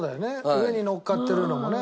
上にのっかってるのもね。